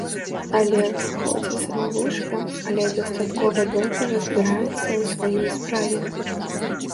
Алег хоць і самавучка, але дастаткова добра разбіраецца ў сваёй справе.